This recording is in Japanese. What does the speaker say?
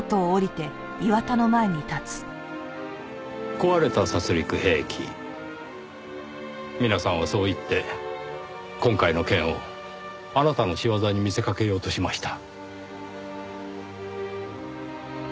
壊れた殺戮兵器ミナさんはそう言って今回の件をあなたの仕業に見せかけようとしました。